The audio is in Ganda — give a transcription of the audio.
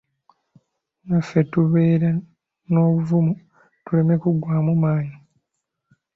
Naffe tubeere nobuvumu tuleme kuggwaamu maanyi.